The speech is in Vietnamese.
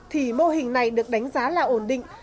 thì mô hình này được đánh giá là ổn định